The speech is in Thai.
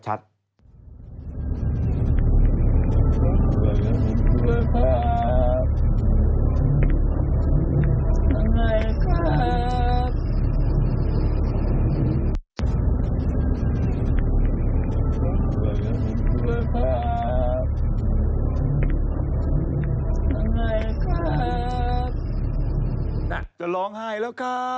จะร้องไห้แล้วครับ